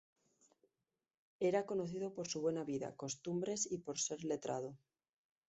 Era conocido por su buena vida, costumbres y por ser letrado.